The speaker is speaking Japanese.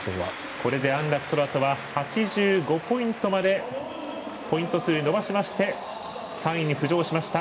これで、安楽宙斗は８５ポイントまでポイント数伸ばしまして３位に浮上しました。